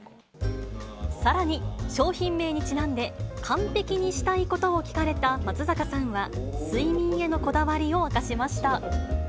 さらに、商品名にちなんで、完璧にしたいことを聞かれた松坂さんは、睡眠へのこだわりを明かしました。